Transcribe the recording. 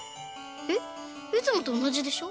えっいつもとおなじでしょ？